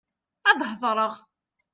Ad hedṛeɣ.